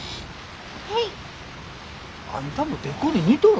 へい。あんたも木偶に似とる。